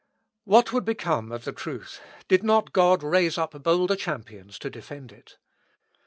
What would become of the truth did not God raise up bolder champions to defend it?